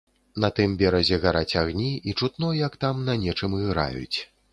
На тым беразе гараць агні і чутно, як там на нечым іграюць.